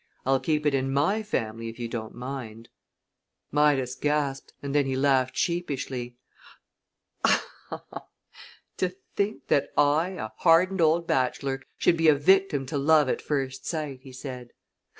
"I'll keep it in my family if you don't mind " Midas gasped, and then he laughed sheepishly. "To think that I, a hardened old bachelor, should be a victim to love at first sight!" he said.